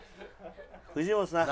藤本さん